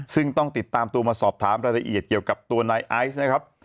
ซึ่งต้องติดตามตัวมาสอบถามรายละเอียดเกี่ยวกับตัวนายไอซ์นะครับ